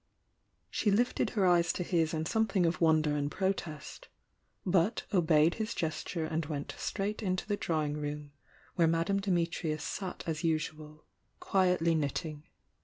She lifted her eyes to his in something of wonder and protest, — but obeyed his gesture and went strai^t into the drawing room where Madame Dimitrius sat as usual, quietly knitting.